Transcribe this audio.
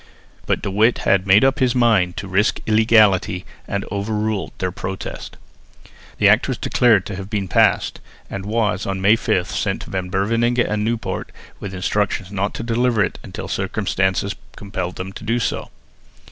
But De Witt had made up his mind to risk illegality, and overruled their protest. The Act was declared to have been passed and was on May 5 sent to Van Beverningh and Nieuwpoort with instructions not to deliver it until circumstances compelled them to do so.